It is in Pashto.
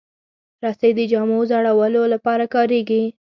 رسۍ د جامو وځړولو لپاره کارېږي.